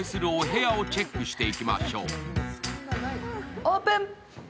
オープン。